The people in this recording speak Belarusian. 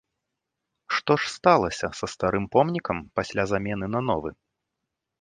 Што ж сталася са старым помнікам пасля замены на новы?